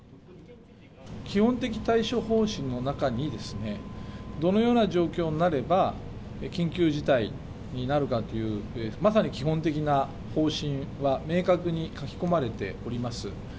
基本的対処方針の中にですね、どのような状況になれば、緊急事態になるかという、まさに基本的な方針は明確に書き込まれております。